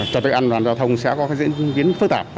cho việc an toàn giao thông sẽ có diễn biến phức tạp